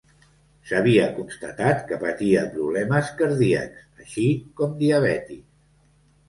S'havia constatat que patia problemes cardíacs, així com diabetis.